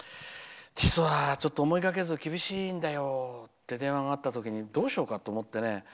実は思いがけず厳しいんだよって電話があったときにどうしようかと思ってね。